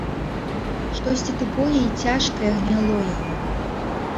Штосьці тупое і цяжкае гняло яго.